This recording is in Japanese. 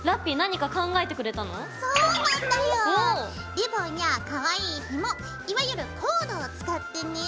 リボンやかわいいひもいわゆるコードを使ってね。